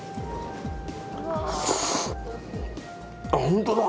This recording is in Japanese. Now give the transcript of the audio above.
ホントだ。